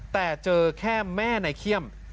แต่เจอแค่แม่นายเขี้ยม